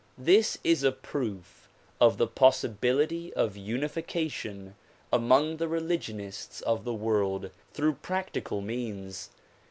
This is a proof of the possibility of unification among the religionists of the world through practical means.